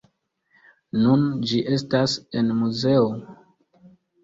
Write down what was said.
Nun ĝi estas en muzeo.